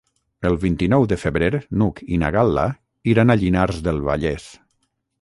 El vint-i-nou de febrer n'Hug i na Gal·la iran a Llinars del Vallès.